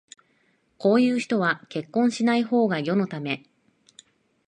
こういう人は結婚しないほうが世のため